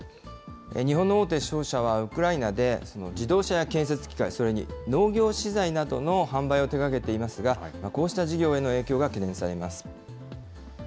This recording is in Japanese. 日本の大手商社は、ウクライナで自動車や建設機械、それに農業資材などの販売を手がけていますが、こうした事業への影響が懸念されます。